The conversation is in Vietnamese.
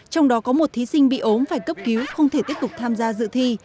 trong đó có một thí sinh bị ốm phải cấp cứu không thể tiếp tục tham gia dự thi